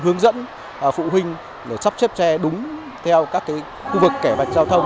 hướng dẫn phụ huynh để sắp chép che đúng theo các khu vực kẻ vạch giao thông